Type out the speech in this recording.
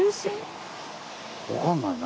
分かんないな。